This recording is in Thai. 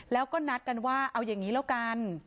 แล้วก็นัดกันว่าเอาอย่างนี้แล้วกัน